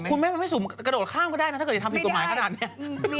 คุณแม่มันไม่สูงกระโดดข้ามก็ได้นะถ้าเกิดจะทำผิดกฎหมายขนาดนี้